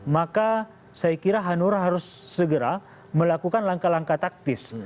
maka saya kira hanura harus segera melakukan langkah langkah taktis